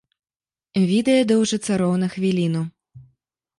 Відэа доўжыцца роўна хвіліну.